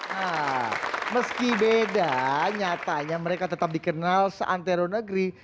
nah meski beda nyatanya mereka tetap dikenal seantero negeri